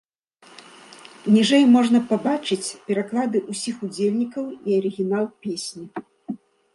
Ніжэй можна пабачыць пераклады ўсіх удзельнікаў і арыгінал песні.